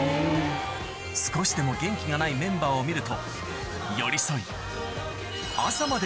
少しでも元気がないメンバーを見ると寄り添い行きます。